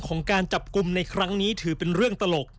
ของการจับกลุ่มในครั้งนี้ถือเป็นเรื่องตลก